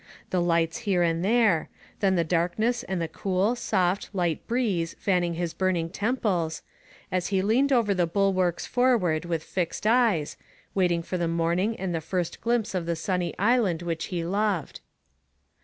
The lights here and there, then the darkness and the cool, soft, light breeze fanning his burning temples, as he leaned over the bul warks forward with fixed eyes, waiting for the Digitized by Google GEORGE MANVILLE FENN. 277 morning and the first glimpse of the sunny island which he loved.